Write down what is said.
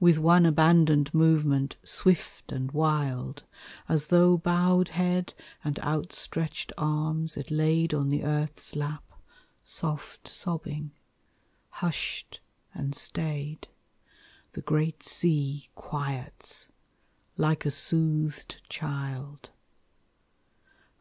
With one abandoned movement, swift and wild, As though bowed head and outstretched arms it laid On the earth's lap, soft sobbing, hushed and stayed, The great sea quiets, like a soothed child.